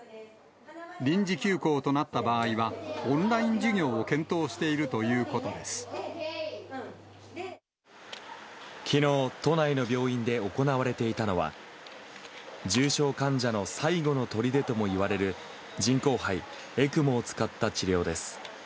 臨時休校となった場合は、オンライン授業を検討しているというこきのう、都内の病院で行われていたのは、重症患者の最後のとりでともいわれる人工肺・ＥＣＭＯを使った治療です。